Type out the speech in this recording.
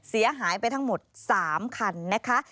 เสียหายไปทั้งหมด๓คันนะคะ